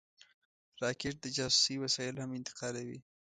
راکټ د جاسوسۍ وسایل هم انتقالوي